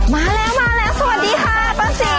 มาแล้วมาแล้วสวัสดีค่ะป้าศรี